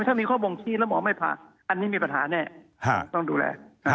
ถ้ามีข้อบ่งชี้แล้วหมอไม่ผ่าอันนี้มีปัญหาแน่ต้องดูแล